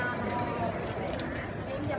มันเป็นสิ่งที่จะให้ทุกคนรู้สึกว่า